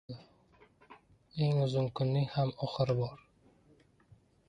• Eng uzun kunning ham oxiri bor.